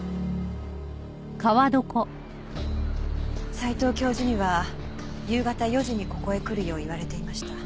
斎藤教授には夕方４時にここへ来るよう言われていました。